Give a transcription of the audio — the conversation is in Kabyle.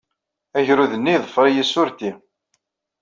Agrud-nni yeḍfer-iyi s urti.